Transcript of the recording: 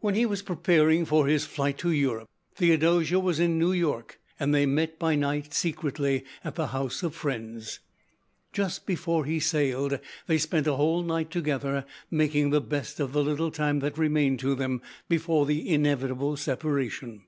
When he was preparing for his flight to Europe, Theodosia was in New York, and they met by night, secretly, at the house of friends. Just before he sailed, they spent a whole night together, making the best of the little time that remained to them before the inevitable separation.